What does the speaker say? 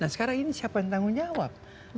nah sekarang ini siapa yang tanggung jawab